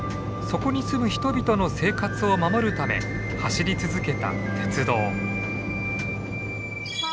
そこに住む人々の生活を守るため走り続けた鉄道。